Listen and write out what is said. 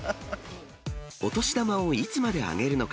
お年玉をいつまであげるのか。